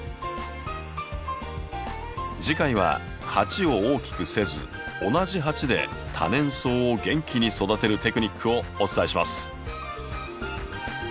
次回は鉢を大きくせず同じ鉢で多年草を元気に育てるテクニックをお伝えします。